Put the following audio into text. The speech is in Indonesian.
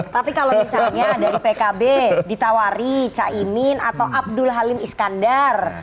tapi kalau misalnya dari pkb ditawari caimin atau abdul halim iskandar